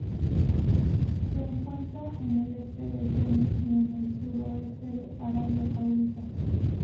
Se encuentra en el este de Yemen y en el sudoeste de Arabia Saudita.